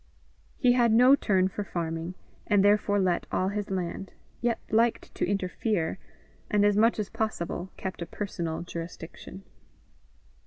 He had no turn for farming, and therefore let all his land, yet liked to interfere, and as much as possible kept a personal jurisdiction.